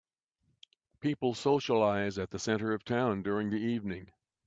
People socialize at the center of town during the evening